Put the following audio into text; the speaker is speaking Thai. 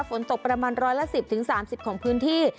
ฝนตกประมาณร้อยละ๑๐๓๐ของพื้นที่